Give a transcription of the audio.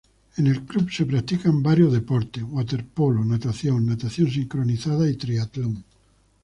En el club se practican varias deportes: waterpolo, natación, natación sincronizada y triatlón.